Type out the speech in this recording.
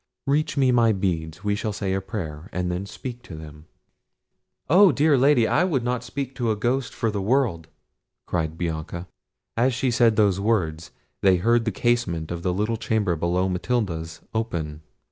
Reach me my beads; we will say a prayer, and then speak to them." "Oh! dear Lady, I would not speak to a ghost for the world!" cried Bianca. As she said those words they heard the casement of the little chamber below Matilda's open.